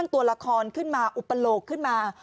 ตัวละครขึ้นมาอุปโลกขึ้นมา